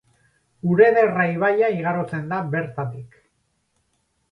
Urederra ibaia igarotzen da bertatik.